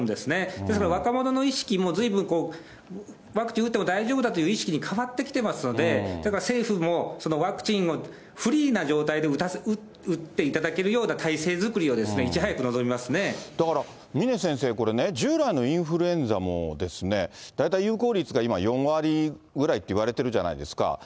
ですから若者の意識もずいぶんワクチン打っても大丈夫だという意識に変わってきてますので、だから政府もそのワクチンをフリーな状態で打っていただけるようだから、峰先生、これね、従来のインフルエンザもですね、大体有効率が今４割ぐらいっていわれてるじゃないですか。